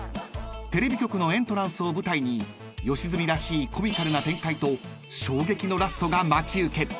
［テレビ局のエントランスを舞台に吉住らしいコミカルな展開と衝撃のラストが待ち受ける］